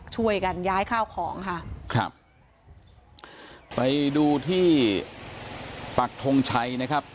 ช่วยกันย้ายข้าวของค่ะครับไปดูที่ปักทงชัยนะครับ